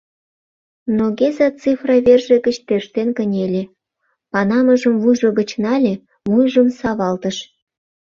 Но Геза Цифра верже гыч тӧрштен кынеле, панамыжым вуйжо гыч нале, вуйжым савалтыш.